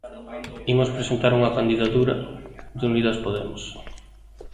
Imos presentar unha candidatura de Unidas Podemos.